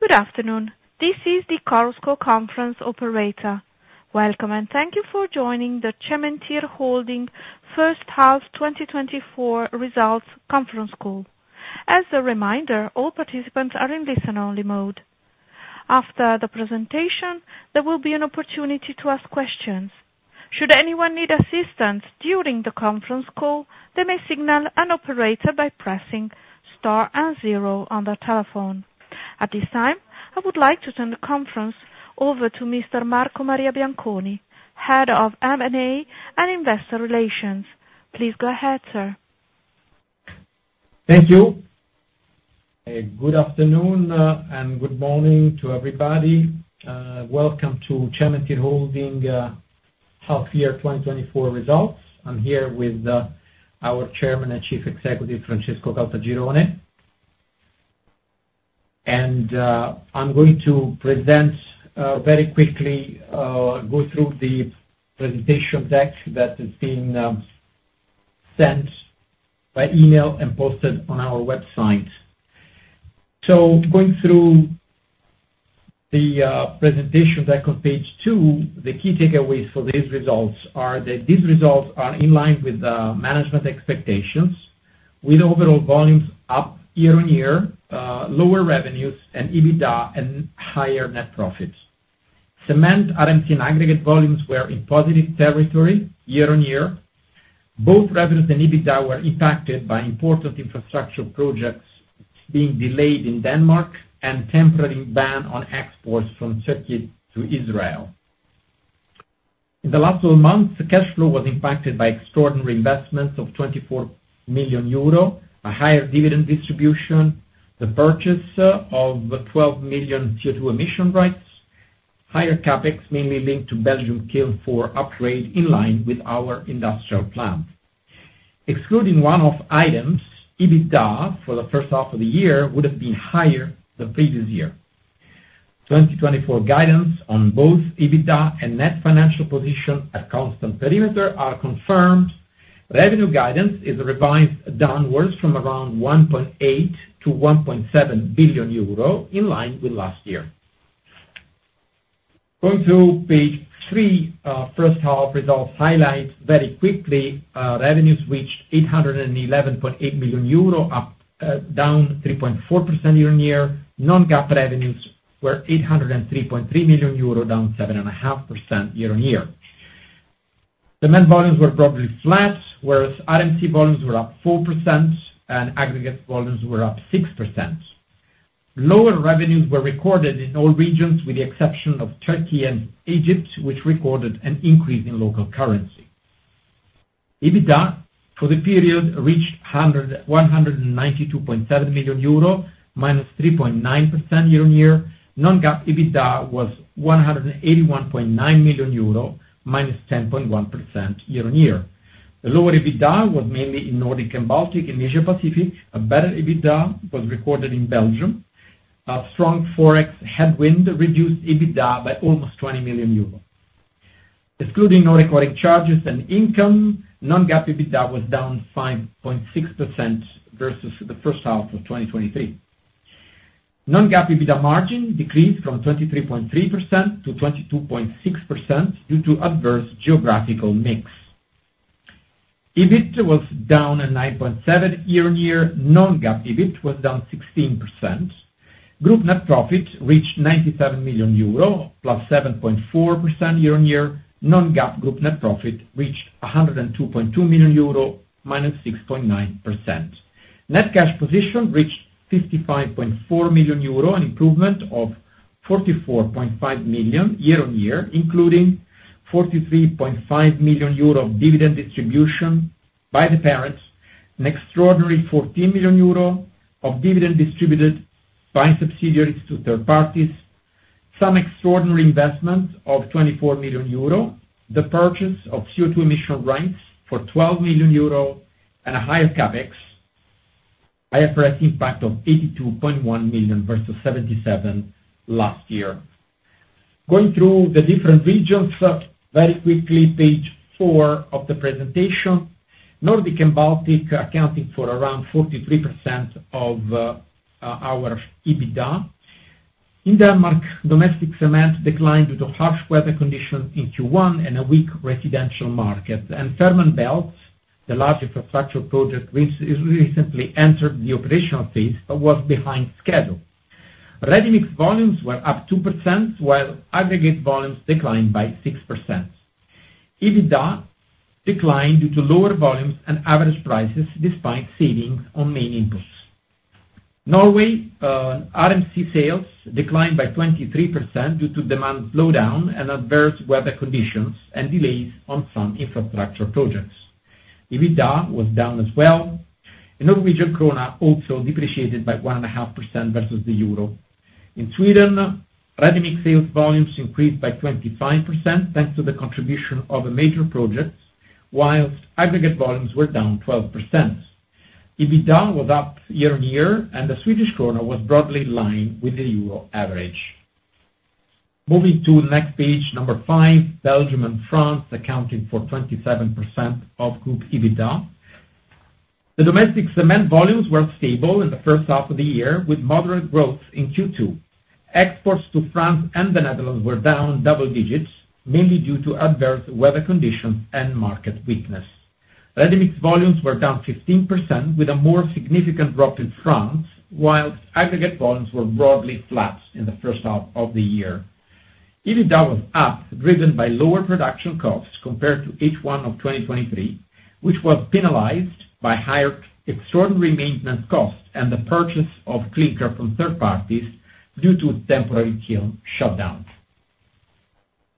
Good afternoon. This is the Chorus Call Conference Operator. Welcome, and thank you for joining the Cementir Holding first half 2024 results conference call. As a reminder, all participants are in listen-only mode. After the presentation, there will be an opportunity to ask questions. Should anyone need assistance during the conference call, they may signal an operator by pressing star and zero on their telephone. At this time, I would like to turn the conference over to Mr. Marco Maria Bianconi, Head of M&A and Investor Relations. Please go ahead, sir. Thank you. Good afternoon, and good morning to everybody. Welcome to Cementir Holding half year 2024 results. I'm here with our chairman and Chief Executive, Francesco Caltagirone. I'm going to present very quickly, go through the presentation deck that is being sent by email and posted on our website. So going through the presentation deck on page two, the key takeaways for these results are that these results are in line with the management expectations, with overall volumes up year-on-year, lower revenues and EBITDA, and higher net profits. Cementir, RMC, and aggregate volumes were in positive territory year-on-year. Both revenues and EBITDA were impacted by important infrastructure projects being delayed in Denmark and temporary ban on exports from Turkey to Israel. In the last 12 months, the cash flow was impacted by extraordinary investments of 24 million euro, a higher dividend distribution, the purchase of 12 million CO2 emission rights, higher CapEx, mainly linked to Belgium Kiln 4 upgrade in line with our industrial plan. Excluding one-off items, EBITDA for the first half of the year would have been higher than previous year. 2024 guidance on both EBITDA and net financial position at constant perimeter are confirmed. Revenue guidance is revised downwards from around 1.8 to 1.7 billion euro, in line with last year. Going to page three, first half results highlights. Very quickly, revenues reached 811.8 million euro, up, down 3.4% year-on-year. Non-GAAP revenues were 803.3 million euro, down 7.5% year-on-year. Cement volumes were broadly flat, whereas RMC volumes were up 4%, and aggregate volumes were up 6%. Lower revenues were recorded in all regions, with the exception of Turkey and Egypt, which recorded an increase in local currency. EBITDA for the period reached 192.7 million euro, -3.9% year-on-year. Non-GAAP EBITDA was 181.9 million euro, -10.1% year-on-year. The lower EBITDA was mainly in Nordic and Baltic and Asia Pacific. A better EBITDA was recorded in Belgium. A strong Forex headwind reduced EBITDA by almost 20 million euros. Excluding non-recurring charges and income, non-GAAP EBITDA was down 5.6% versus the first half of 2023. Non-GAAP EBITDA margin decreased from 23.3% to 22.6% due to adverse geographical mix. EBIT was down at 9.7 year-on-year. Non-GAAP EBIT was down 16%. Group net profit reached 97 million euro, +7.4% year-on-year. Non-GAAP group net profit reached 102.2 million euro, -6.9%. Net cash position reached 55.4 million euro, an improvement of 44.5 million year-on-year, including 43.5 million euro of dividend distribution by the parents, an extraordinary 14 million euro of dividend distributed by subsidiaries to third parties, some extraordinary investment of 24 million euro, the purchase of CO2 emission rights for 12 million euro, and a higher CapEx, IFRIC impact of 82.1 million versus 77 last year. Going through the different regions, very quickly, page 4 of the presentation. Nordic and Baltic, accounting for around 43% of our EBITDA. In Denmark, domestic cement declined due to harsh weather conditions in Q1 and a weak residential market. And Fehmarnbelt, the large infrastructure project which is recently entered the operational phase, but was behind schedule. Ready-mix volumes were up 2%, while aggregate volumes declined by 6%. EBITDA declined due to lower volumes and average prices, despite savings on main inputs. Norway, RMC sales declined by 23% due to demand slowdown and adverse weather conditions and delays on some infrastructure projects. EBITDA was down as well, and Norwegian krone also depreciated by 1.5% versus the euro. In Sweden, ready-mix sales volumes increased by 25%, thanks to the contribution of a major project, while aggregate volumes were down 12%. EBITDA was up year-over-year, and the Swedish krona was broadly in line with the euro average. Moving to next page, 5, Belgium and France, accounting for 27% of group EBITDA. The domestic cement volumes were stable in the first half of the year, with moderate growth in Q2. Exports to France and the Netherlands were down double digits, mainly due to adverse weather conditions and market weakness. Ready-mix volumes were down 15% with a more significant drop in France, while aggregate volumes were broadly flat in the first half of the year. EBITDA was up, driven by lower production costs compared to H1 of 2023, which was penalized by higher extraordinary maintenance costs and the purchase of clinker from third parties due to temporary kiln shutdowns.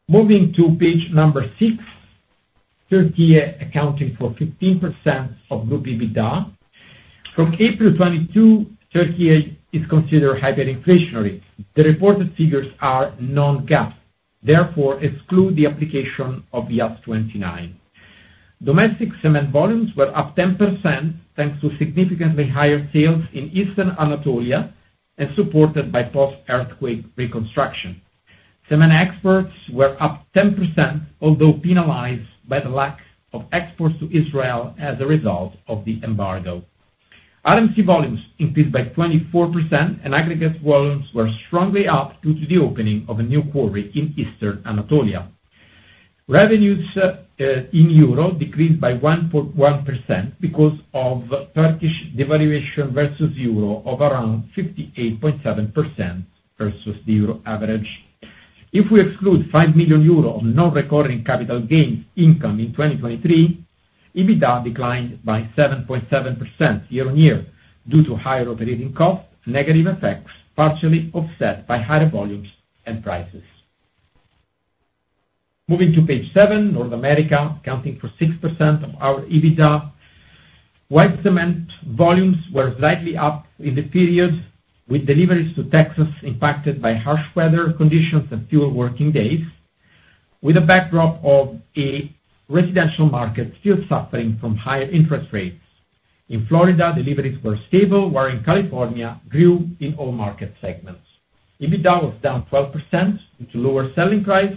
Moving to page 6, Turkey, accounting for 15% of group EBITDA. From April 2022, Turkey is considered hyperinflationary. The reported figures are non-GAAP, therefore exclude the application of IAS 29. Domestic cement volumes were up 10%, thanks to significantly higher sales in Eastern Anatolia and supported by post-earthquake reconstruction. Cement exports were up 10%, although penalized by the lack of exports to Israel as a result of the embargo. RMC volumes increased by 24%, and aggregate volumes were strongly up due to the opening of a new quarry in Eastern Anatolia. Revenues in euro decreased by 1.1% because of Turkish devaluation versus euro of around 58.7% versus the euro average. If we exclude 5 million euros of non-recurring capital gains income in 2023, EBITDA declined by 7.7% year-on-year due to higher operating costs, negative effects, partially offset by higher volumes and prices. Moving to page seven, North America, accounting for 6% of our EBITDA. White cement volumes were slightly up in the period, with deliveries to Texas impacted by harsh weather conditions and fewer working days, with a backdrop of a residential market still suffering from higher interest rates. In Florida, deliveries were stable, while in California, grew in all market segments. EBITDA was down 12% due to lower selling price,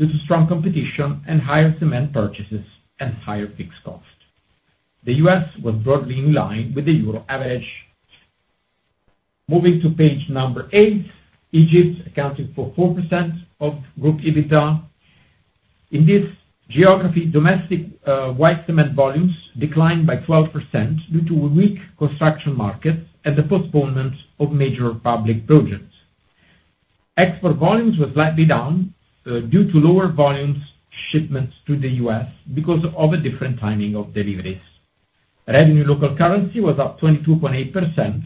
due to strong competition and higher cement purchases and higher fixed cost. The U.S. was broadly in line with the Euro average. Moving to page 8, Egypt, accounting for 4% of group EBITDA. In this geography, domestic white cement volumes declined by 12% due to a weak construction market and the postponement of major public projects. Export volumes were slightly down due to lower volumes shipments to the U.S. because of a different timing of deliveries. Revenue local currency was up 22.8%,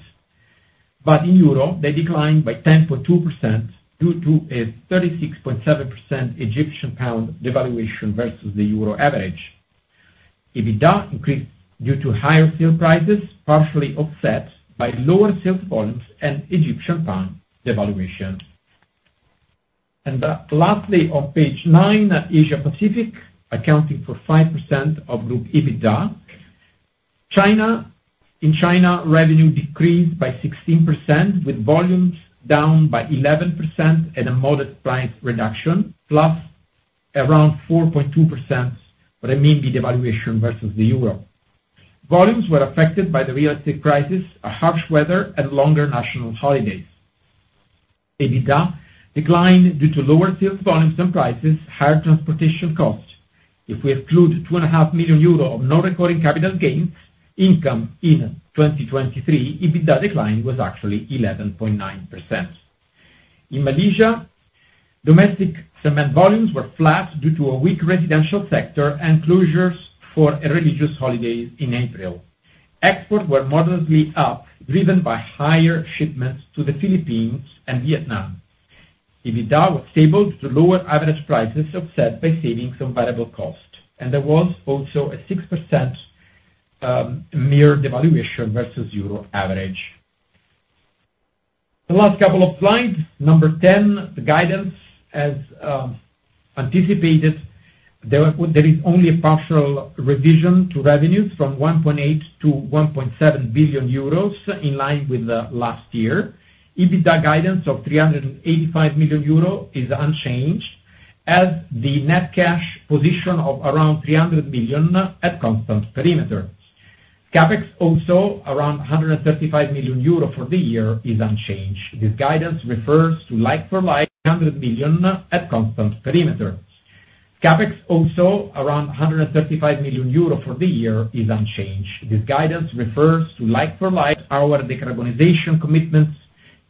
but in euro, they declined by 10.2% due to a 36.7% Egyptian pound devaluation versus the euro average. EBITDA increased due to higher fuel prices, partially offset by lower sales volumes and Egyptian pound devaluation. Lastly, on page nine, Asia Pacific, accounting for 5% of group EBITDA. China. In China, revenue decreased by 16%, with volumes down by 11% and a moderate price reduction, plus around 4.2% renminbi devaluation versus the euro. Volumes were affected by the real estate crisis, a harsh weather, and longer national holidays. EBITDA declined due to lower sales volumes and prices, higher transportation costs. If we exclude 2.5 million euros of non-recurring capital gains income in 2023, EBITDA decline was actually 11.9%. In Malaysia, domestic cement volumes were flat due to a weak residential sector and closures for a religious holiday in April. Exports were moderately up, driven by higher shipments to the Philippines and Vietnam. EBITDA was stable due to lower average prices, offset by savings on variable costs, and there was also a 6% MYR devaluation versus euro average. The last couple of slides, number ten, the guidance. As anticipated, there is only a partial revision to revenues from 1.8 billion-1.7 billion euros, in line with last year. EBITDA guidance of 385 million euro is unchanged, as the net cash position of around 300 million at constant perimeter. CapEx, also around 135 million euro for the year, is unchanged. This guidance refers to like-for-like, 100 million at constant perimeter. CapEx, also around 135 million euro for the year, is unchanged. This guidance refers to like-for-like. Our decarbonization commitments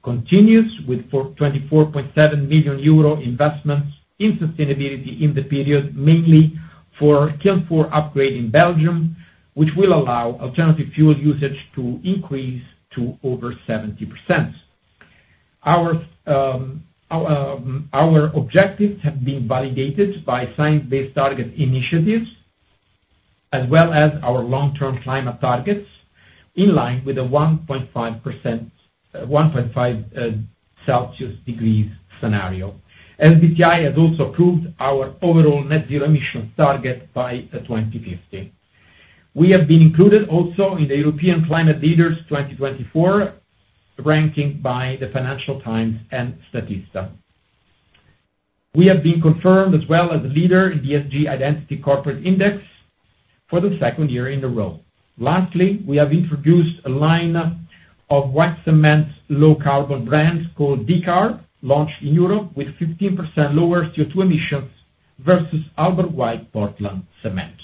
continues with 24.7 million euro investments in sustainability in the period, mainly for Kiln 4 upgrade in Belgium, which will allow alternative fuel usage to increase to over 70%. Our objectives have been validated by Science Based Targets initiative, as well as our long-term climate targets, in line with a 1.5 degrees Celsius scenario. SBTi has also approved our overall net zero emission target by 2050. We have been included also in the European Climate Leaders 2024, ranking by the Financial Times and Statista. We have been confirmed as well as the leader in ESG Identity Corporate Index for the second year in a row. Lastly, we have introduced a line of white cement, low carbon brands called D-Carb, launched in Europe, with 15% lower CO2 emissions versus other white Portland cement.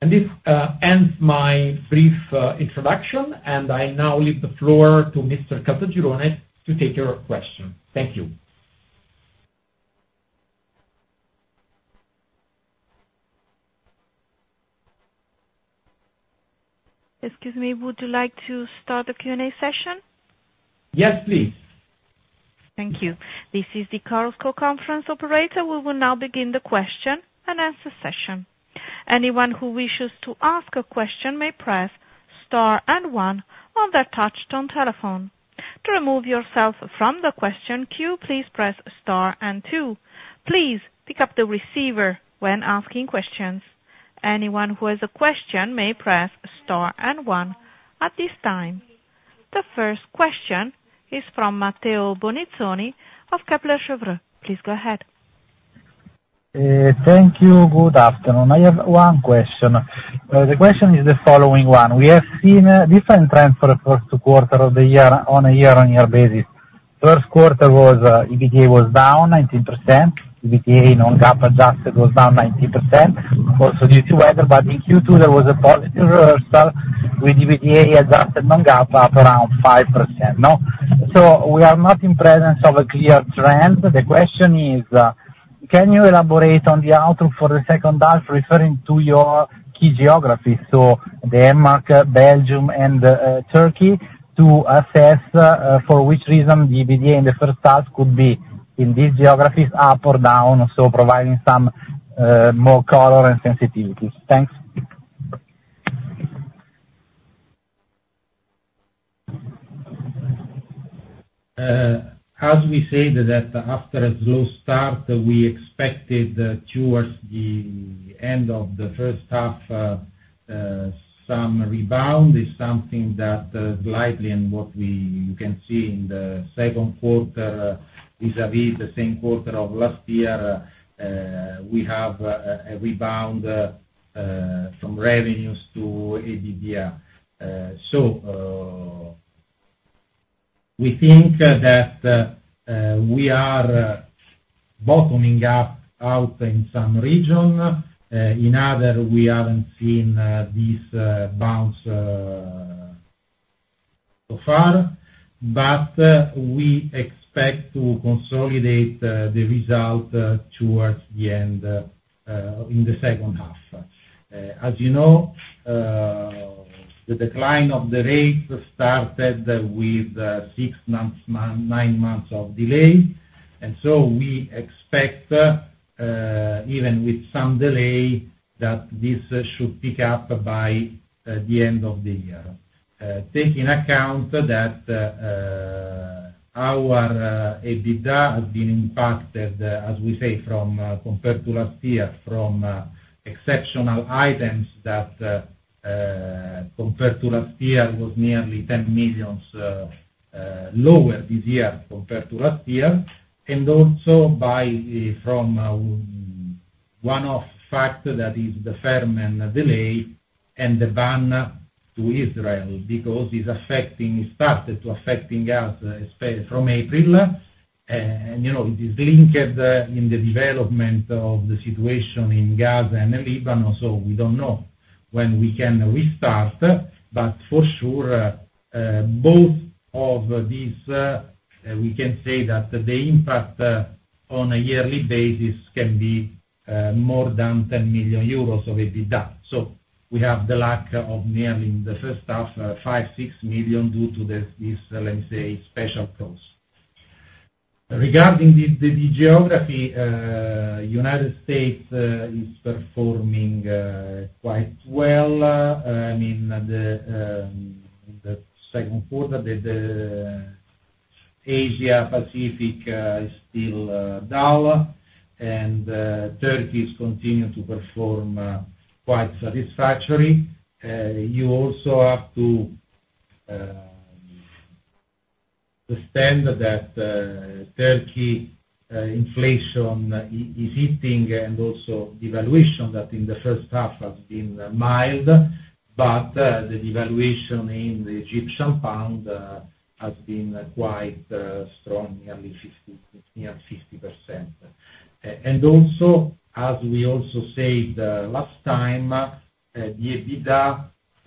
And this ends my brief introduction, and I now leave the floor to Mr. Caltagirone to take your question. Thank you. Excuse me, would you like to start the Q&A session? Yes, please. Thank you. This is the Chorus Call conference operator. We will now begin the question and answer session. Anyone who wishes to ask a question may press star and one on their touchtone telephone. To remove yourself from the question queue, please press star and two. Please pick up the receiver when asking questions. Anyone who has a question may press star and one at this time. The first question is from Matteo Bonizzoni of Kepler Cheuvreux. Please go ahead. Thank you. Good afternoon. I have one question. The question is the following one: We have seen different trends for the first quarter of the year, on a year-on-year basis. First quarter was, EBITDA was down 19%, EBITDA non-GAAP adjusted was down 19%, also due to weather. But in Q2, there was a positive reversal with EBITDA adjusted non-GAAP up around 5%, no? So we are not in presence of a clear trend. The question is, can you elaborate on the outlook for the second half, referring to your key geographies, so Denmark, Belgium, and Turkey, to assess, for which reason the EBITDA in the first half could be, in these geographies, up or down, also providing some more color and sensitivity. Thanks. As we said, that after a slow start, we expected towards the end of the first half, some rebound is something that, likely, and what we—you can see in the second quarter, vis-a-vis the same quarter of last year, we have, a rebound, from revenues to EBITDA. So, we think that, we are, bottoming out in some region. In others, we haven't seen, this bounce, so far, but, we expect to consolidate, the result, towards the end, in the second half. As you know, the decline of the rates started with, six months, nine months of delay, and so we expect, even with some delay, that this should pick up by, the end of the year. Take into account that our EBITDA has been impacted, as we say, compared to last year, from exceptional items that, compared to last year, was nearly 10 million lower this year compared to last year. And also by from one factor that is the Fehmarn delay and the ban to Israel, because it's affecting, it started to affecting us from April. And, you know, it is linked in the development of the situation in Gaza and Lebanon, so we don't know when we can restart. But for sure, both of these, we can say that the impact on a yearly basis can be more than 10 million euros of EBITDA. So we have the lack of nearly 5-6 million in the first half due to this, this, let's say, special costs. Regarding the geography, United States is performing quite well, I mean, the second quarter, the Asia Pacific is still down, and Turkey is continuing to perform quite satisfactory. You also have to understand that, Turkey inflation is hitting, and also devaluation that in the first half has been mild, but the devaluation in the Egyptian pound has been quite strong, nearly 50%, near 50%. And also, as we also said last time, the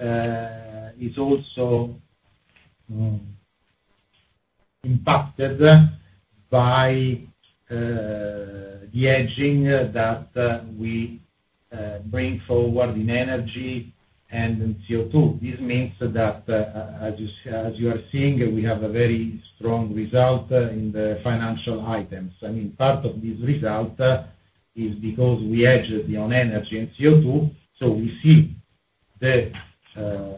EBITDA is also impacted by the hedging that we bring forward in energy and in CO2. This means that as you are seeing, we have a very strong result in the financial items. I mean, part of this result is because we hedged on energy and CO2, so we see the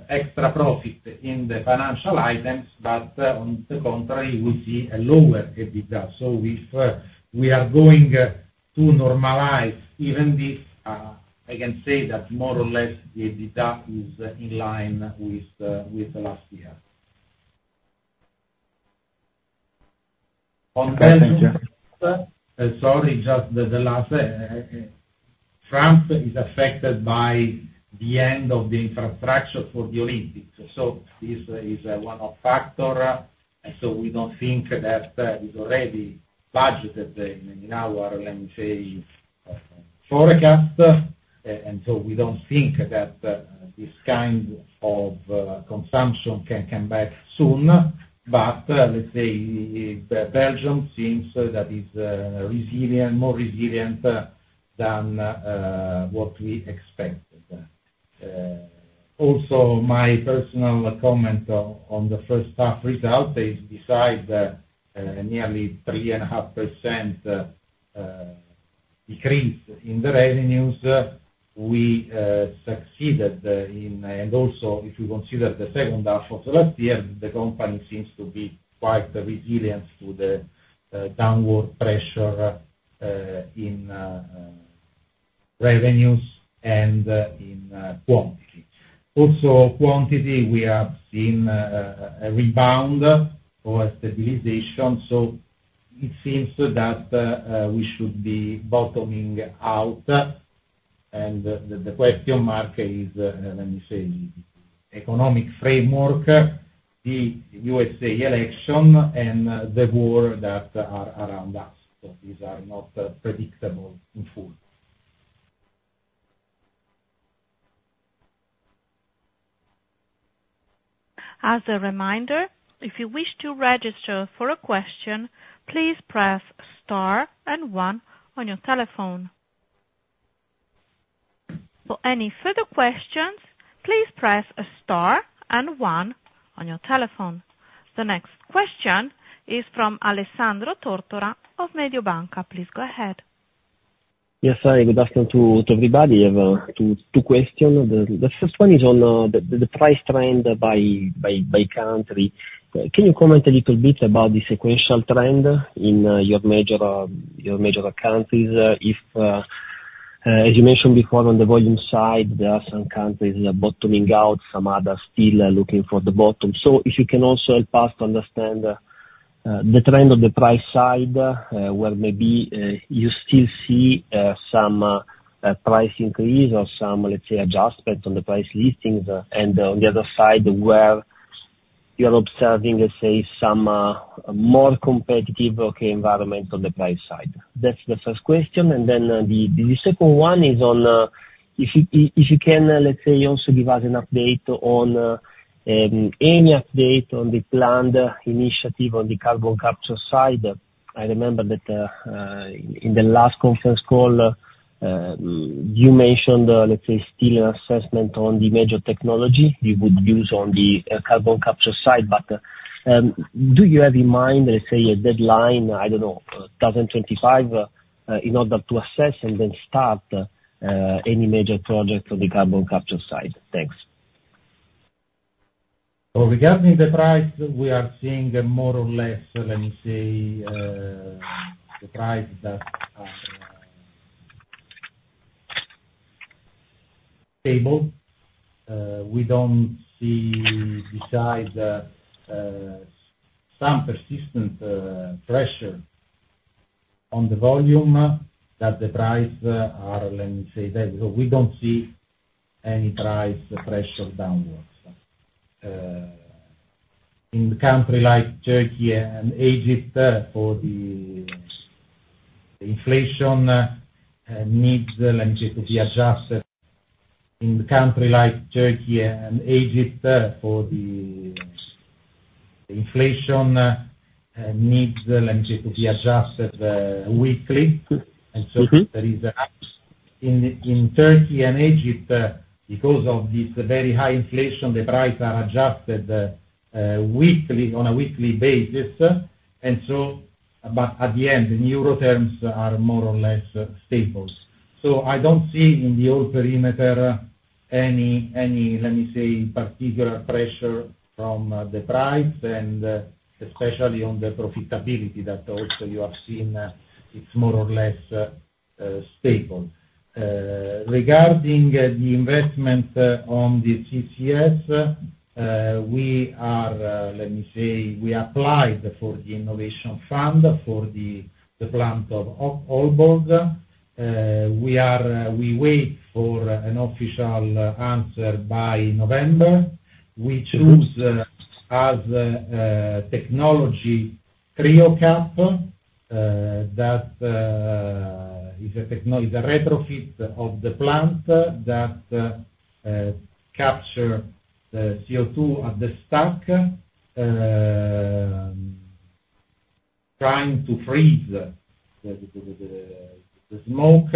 extra profit in the financial items, but on the contrary, you will see a lower EBITDA. So if we are going to normalize even this, I can say that more or less, the EBITDA is in line with last year. Thank you. On Belgium, sorry, just the last. France is affected by the end of the infrastructure for the Olympics, so this is a one-off factor, and so we don't think that is already budgeted in our LME forecast. And so we don't think that this kind of consumption can come back soon. But, let's say, Belgium seems that is resilient, more resilient than what we expected. Also, my personal comment on the first half result is besides the nearly 3.5% decrease in the revenues, we succeeded in, and also, if you consider the second half of last year, the company seems to be quite resilient to the downward pressure in revenues and in quantity. Also, quantity, we have seen a rebound or a stabilization, so it seems that we should be bottoming out, and the question mark is, let me say, economic framework, the USA election, and the war that are around us. So these are not predictable in full. As a reminder, if you wish to register for a question, please press star and one on your telephone. For any further questions, please press star and one on your telephone. The next question is from Alessandro Tortora of Mediobanca. Please go ahead. Yes. Hi, good afternoon to everybody. I have two questions. The first one is on the price trend by country. Can you comment a little bit about the sequential trend in your major countries? If, as you mentioned before, on the volume side, there are some countries that are bottoming out, some others still are looking for the bottom. So if you can also help us to understand the trend on the price side, where maybe you still see some price increase or some, let's say, adjustment on the price listings, and on the other side, where you're observing, let's say, some more competitive environment on the price side. That's the first question, and then, the second one is on, if you can, let's say, also give us an update on, any update on the planned initiative on the carbon capture side. I remember that, in the last conference call, you mentioned, let's say, still an assessment on the major technology you would use on the, carbon capture side, but, do you have in mind, let's say, a deadline, I don't know, 2025, in order to assess and then start, any major project on the carbon capture side? Thanks. So, regarding the price, we are seeing more or less, let me say, the price that are stable. We don't see, besides some persistent pressure on the volume, that the price are, let me say that. So, we don't see any price pressure downwards. In the country like Turkey and Egypt, for the inflation needs, let me say, to be adjusted. In the country like Turkey and Egypt, for the inflation needs, let me say, to be adjusted weekly. In Turkey and Egypt, because of this very high inflation, the prices are adjusted weekly, on a weekly basis, but at the end, the euro terms are more or less stable. So I don't see in the old perimeter any, let me say, particular pressure from the prices, and especially on the profitability, that also you have seen, it's more or less stable. Regarding the investment on the CCS, we are, let me say, we applied for the innovation fund for the plant of Aalborg. We are waiting for an official answer by November. We choose as technology Cryocap that is a retrofit of the plant that capture the CO2 at the stack trying to freeze the smoke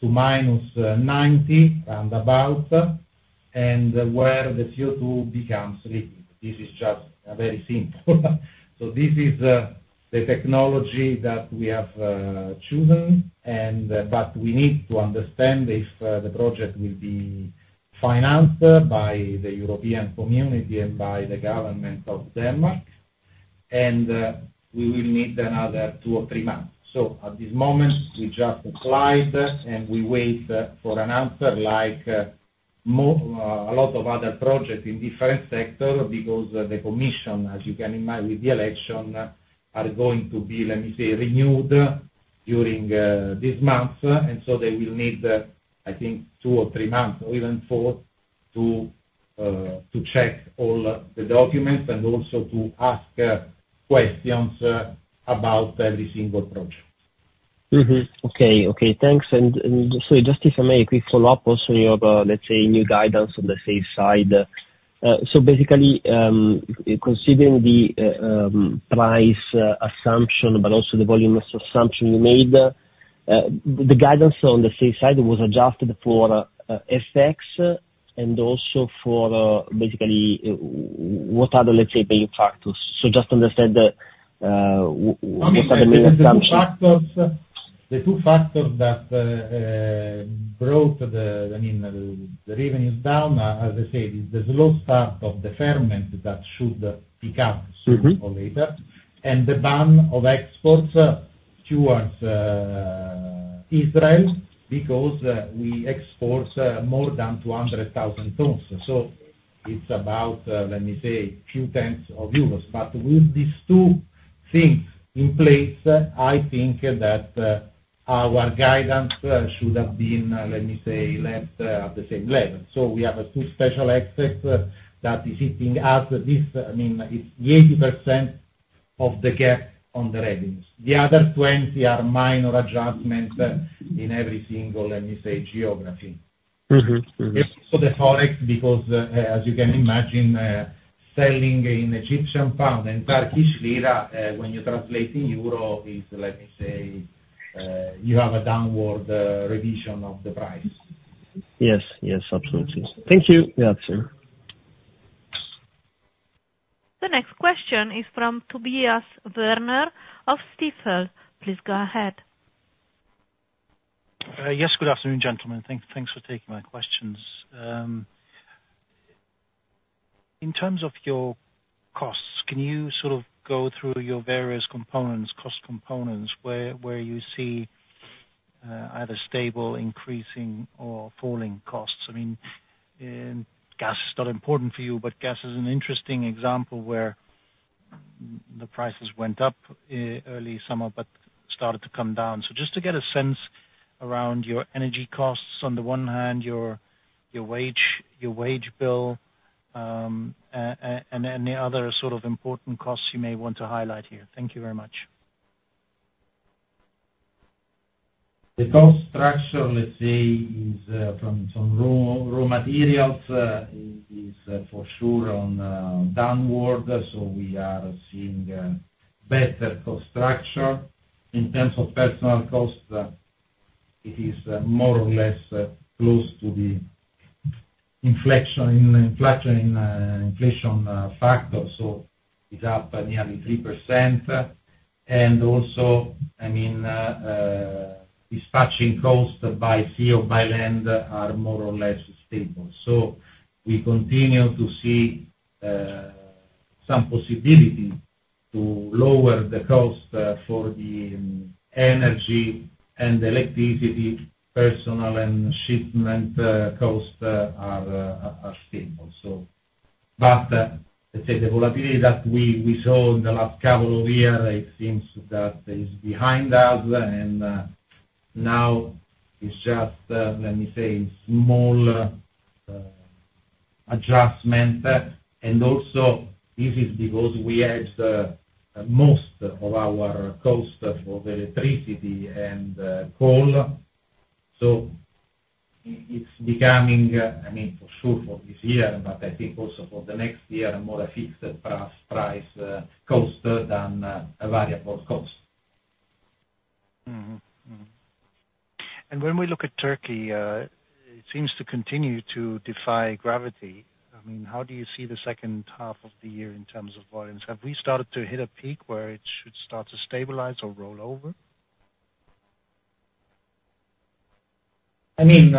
to -90 and about, and where the CO2 becomes liquid. This is just a very simple. So this is the technology that we have chosen, and but we need to understand if the project will be financed by the European community and by the government of Denmark, and we will need another two or three months. So at this moment, we just applied, and we wait for an answer like a lot of other projects in different sectors, because the commission, as you can imagine, with the election, are going to be, let me say, renewed during this month. So they will need, I think, 2 or 3 months, or even 4, to check all the documents and also to ask questions about every single project. Mm-hmm. Okay, okay, thanks. And, and so just if I make a quick follow-up also on your, let's say, new guidance on the safe side. So basically, considering the, price assumption, but also the volume assumption you made, the guidance on the safe side was adjusted for, FX, and also for, basically, what are the, let's say, paying factors? So just understand that, what are the main assumptions. The two factors that brought—I mean—the revenues down, as I said, is the slow start of the Fehmarn should pick up-sooner or later, and the ban of exports towards Israel, because we export more than 200,000 tons. So it's about, let me say, a few tens of euros. But with these two things in place, I think that our guidance should have been, let me say, left at the same level. So we have two special aspects that is hitting us. This, I mean, it's 80% of the gap on the revenues. The other 20 are minor adjustments in every single, let me say, geography. So the forex, because, as you can imagine, selling in Egyptian pound and Turkish lira, when you translate in euro, is let me say, you have a downward revision of the price. Yes, yes, absolutely. Thank you. Yeah, sure. The next question is from Tobias Woerner of Stifel. Please go ahead. Yes, good afternoon, gentlemen. Thanks for taking my questions. In terms of your costs, can you sort of go through your various components, cost components, where you see either stable, increasing or falling costs? I mean, gas is not important for you, but gas is an interesting example where the prices went up early summer, but started to come down. So just to get a sense around your energy costs, on the one hand, your wage bill and any other sort of important costs you may want to highlight here. Thank you very much. The cost structure, let's say, is from some raw materials is for sure on downward, so we are seeing better cost structure. In terms of personnel costs, it is more or less close to the inflation factor, so it's up nearly 3%. And also, I mean, dispatching costs by sea or by land are more or less stable. So we continue to see some possibility to lower the cost for the energy and electricity, personnel and shipment costs are stable. So but, let's say the volatility that we saw in the last couple of years, it seems that is behind us, and now it's just, let me say, small adjustment. And also, this is because we hedged most of our cost for the electricity and coal. So it's becoming, I mean, for sure, for this year, but I think also for the next year, a more fixed price cost than a variable cost. When we look at Turkey, it seems to continue to defy gravity. I mean, how do you see the second half of the year in terms of volumes? Have we started to hit a peak where it should start to stabilize or roll over? I mean,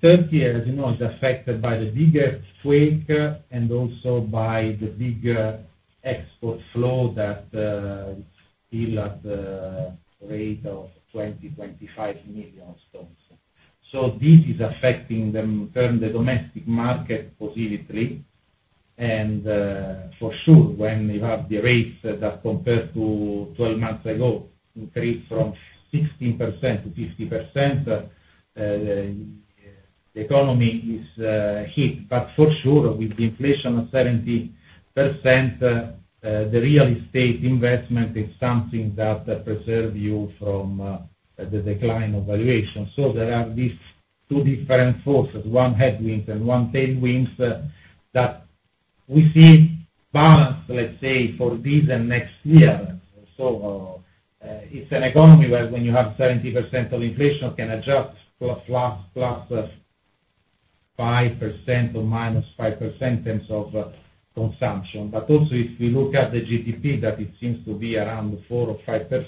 Turkey, as you know, is affected by the bigger quake and also by the bigger export flow that is still at the rate of 20-25 million tons. So this is affecting them, the domestic market positively, and, for sure, when you have the rates that compared to 12 months ago, increased from 16% to 50%, the economy is hit. But for sure, with the inflation of 70%, the real estate investment is something that preserve you from the decline of valuation. So there are these two different forces, one headwinds and one tailwinds, that we see balance, let's say, for this and next year. So, it's an economy where when you have 70% of inflation, can adjust plus, plus, plus... 5% or -5% in terms of consumption. But also, if we look at the GDP, that it seems to be around 4 or 5%,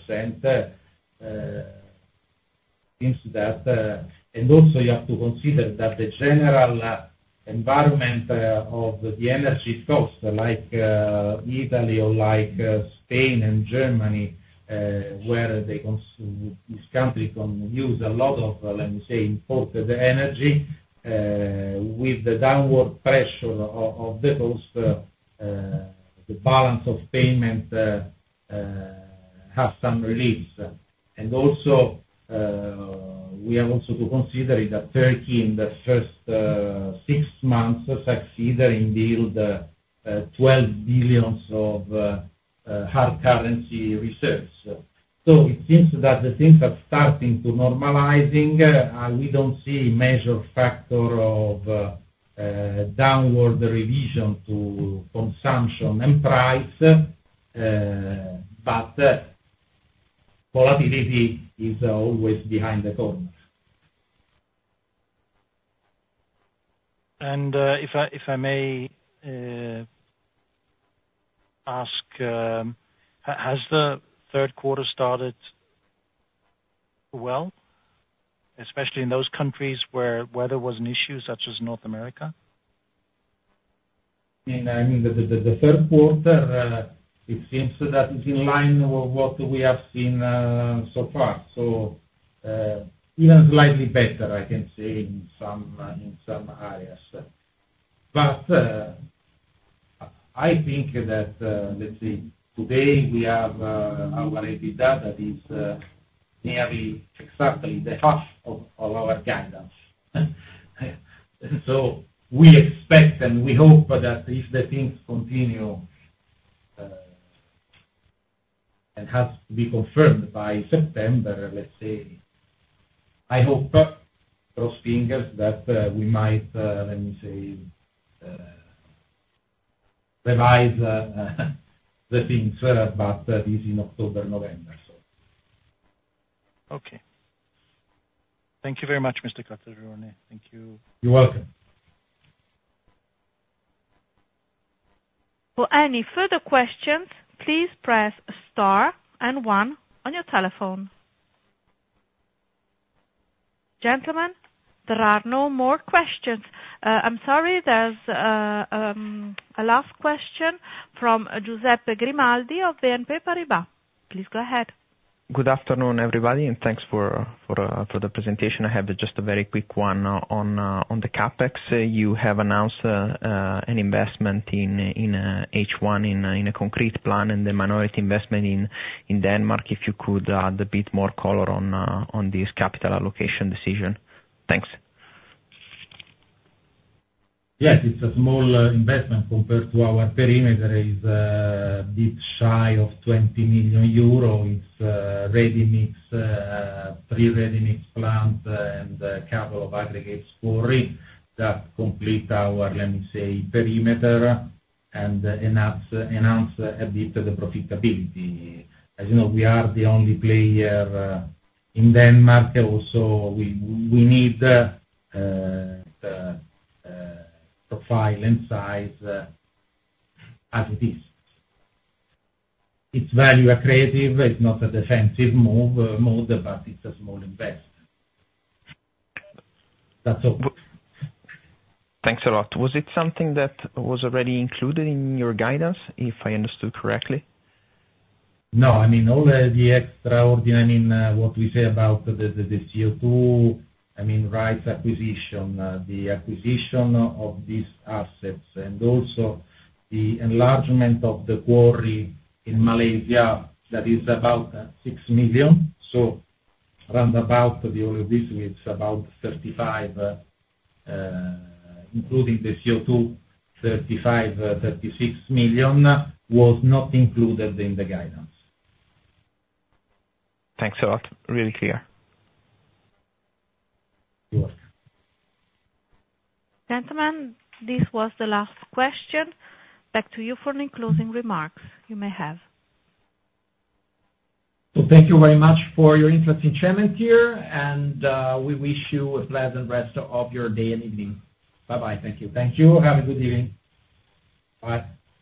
seems that... And also, you have to consider that the general environment of the energy costs, like Italy or like Spain and Germany, where these countries can use a lot of, let me say, imported energy with the downward pressure of the cost, the balance of payment have some relief. And also, we have also to consider it, that Turkey, in the first six months, succeeded in build $12 billion of hard currency reserves. So it seems that the things are starting to normalizing, and we don't see a major factor of a downward revision to consumption and price, but volatility is always behind the corner. If I may ask, has the third quarter started well, especially in those countries where weather was an issue, such as North America? I mean, the third quarter, it seems that is in line with what we have seen so far. So, even slightly better, I can say, in some areas. But, I think that, let's see, today, we have our EBITDA that is nearly exactly the half of our guidance. So we expect, and we hope that if the things continue, it has to be confirmed by September, let's say, I hope, crossed fingers, that we might, let me say, revise the things, but this in October, November, so. Okay. Thank you very much, Mr. Caltagirone. Thank you. You're welcome. For any further questions, please press star and one on your telephone. Gentlemen, there are no more questions. I'm sorry, there's a last question from Giuseppe Grimaldi of BNP Paribas. Please go ahead. Good afternoon, everybody, and thanks for the presentation. I have just a very quick one on the CapEx. You have announced an investment in H1 in a concrete plant and the minority investment in Denmark. If you could add a bit more color on this capital allocation decision. Thanks. Yes, it's a small investment compared to our perimeter. It's bit shy of 20 million euros. It's ready mix, three ready mix plant, and a couple of aggregate quarry that complete our, let me say, perimeter, and enhance, enhance a bit the profitability. As you know, we are the only player in Denmark, also, we need profile and size as it is. It's value accretive. It's not a defensive move, mode, but it's a small investment. That's all. Thanks a lot. Was it something that was already included in your guidance, if I understood correctly? No, I mean, all the, the extraordinary I mean, what we say about the, the, the CO2, I mean, rights acquisition, the acquisition of these assets, and also the enlargement of the quarry in Malaysia, that is about 6 million. So round about all of this, it's about 35, including the CO2, 35, 36 million, was not included in the guidance. Thanks a lot. Really clear. You're welcome. Gentlemen, this was the last question. Back to you for any closing remarks you may have. Thank you very much for your interest in Cementir, and we wish you a pleasant rest of your day and evening. Bye-bye. Thank you. Thank you. Have a good evening. Bye.